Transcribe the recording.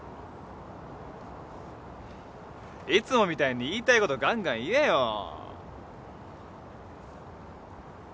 いつもみたいに言いたいことがんがん言えよ。